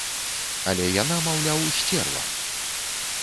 Але яна, маўляў, сцерва.